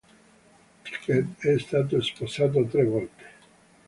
Thicke è stato sposato tre volte.